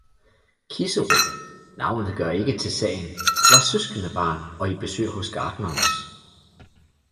Kisserup, navnet gør ikke til sagen, var søskendebarn og i besøg hos gartnerens.